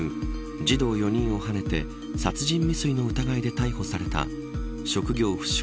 児童４人をはねて殺人未遂の疑いで逮捕された職業不詳